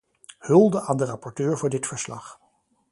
Hulde aan de rapporteur voor dit verslag.